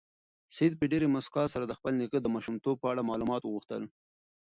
سعید په ډېرې موسکا سره د خپل نیکه د ماشومتوب په اړه معلومات وغوښتل.